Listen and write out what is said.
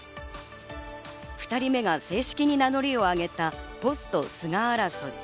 ２人目が正式に名乗りを上げたポスト菅争い。